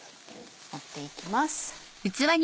盛っていきます。